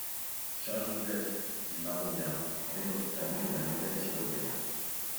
Charles-Joseph di Marogna naît dans une famille de la noblesse tyrolienne.